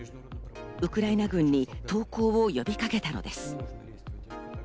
ウクライナ軍に投降を呼びかけたのです。